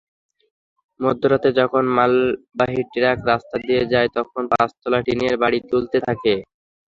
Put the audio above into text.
মধ্যরাতে যখন মালবাহী ট্রাক রাস্তা দিয়ে যায়, তখন পাঁচতলা টিনের বাড়ি দুলতে থাকে।